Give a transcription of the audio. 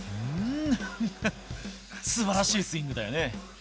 すばらしいスイングだよね。